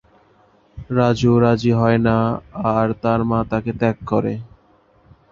রাজু রাজী হয়না আর তার মা তাকে ত্যাগ করে।